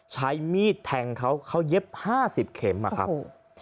ใช้มีดแทงเขาเขาเย็บ๕๐เข็มอะครับ